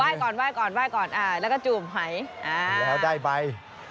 ก่อนไหว้ก่อนไหว้ก่อนแล้วก็จูบหายแล้วได้ใบ